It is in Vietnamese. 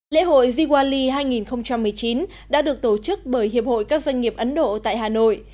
lễ hội diwali hai nghìn một mươi chín đã được tổ chức bởi hiệp hội các doanh nghiệp ấn độ tại hà nội